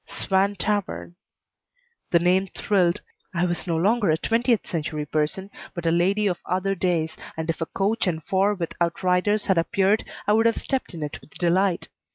"Swan Tavern." The name thrilled. I was no longer a twentieth century person, but a lady of other days, and if a coach and four with outriders had appeared I would have stepped in it with delight.